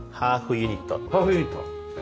ハーフユニットですね。